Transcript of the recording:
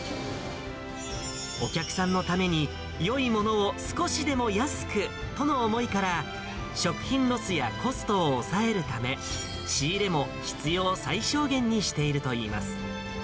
お客さんのために、よいものを少しでも安くとの思いから、食品ロスやコストを抑えるため、仕入れも必要最小限にしているといいます。